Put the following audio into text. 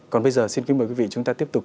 còn bây giờ xin kính mời quý vị chúng ta tiếp tục